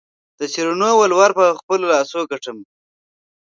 د شیرینو ولور په خپلو لاسو ګټمه.